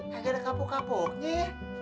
kagak ada kapok kapoknya